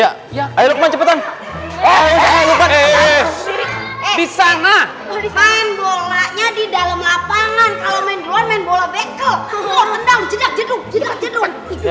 eh aikal lukman ini kalian tunggu aja dulu bisa lebih banyak man ini bantuin